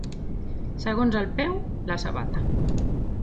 Segons el peu, la sabata.